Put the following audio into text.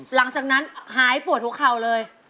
หลังจากนั้นหายปวดหัวเข่าเลย